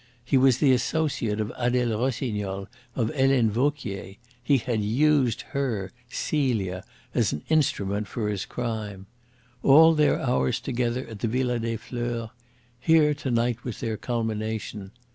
He was the associate of Adele Rossignol, of Helene Vauquier. He had used her, Celia, as an instrument for his crime. All their hours together at the Villa des Fleurs here to night was their culmination.